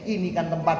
ini kan tempatnya